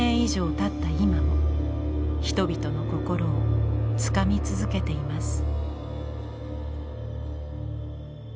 今も人々の心をつかみ続けています。